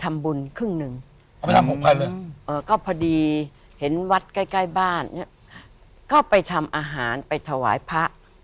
ไม่ใช่ผสานไปถวายพระ